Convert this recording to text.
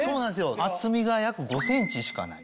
厚みが約５ｃｍしかない。